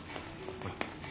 ほら。